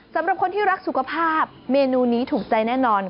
สำหรับคนที่รักสุขภาพเมนูนี้ถูกใจแน่นอน